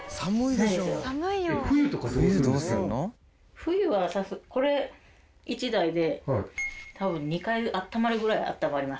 冬はこれ１台で多分２階あったまるぐらいあったまります